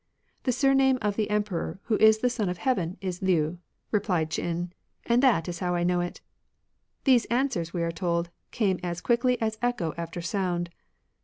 " The surname of the Emperor, who is the Son of Heaven, is Liu," replied Ch'in ;and that is how I know it." These answers, we are told, came as quickly as echo after sound.